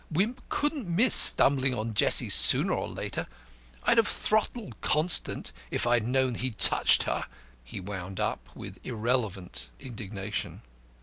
Wimp couldn't miss stumbling on Jessie sooner or later. I'd have throttled Constant, if I had known he'd touched her," he wound up with irrelevant indignation.